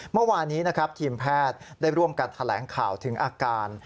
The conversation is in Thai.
เมื่อวานี้นะครับทีมแพทย์ได้ร่วมกันแถลงข่าวถึงอาการ